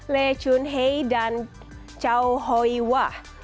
le chun hei dan chou hui wah